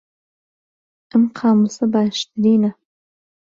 ئەم قامووسە باشترینە.